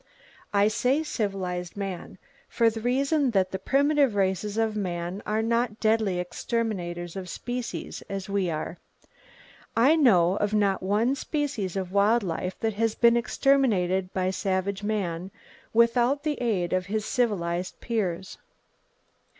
I say "civilized man," for the reason that the primitive races of man are not deadly exterminators of species, as we are. I know of not one species of wild life that has been exterminated by savage man without the aid of his civilized peers.